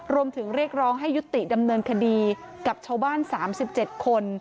เรียกร้องให้ยุติดำเนินคดีกับชาวบ้าน๓๗คน